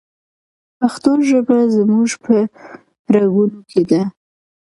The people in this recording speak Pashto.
پښتو ژبه زموږ په رګونو کې ده.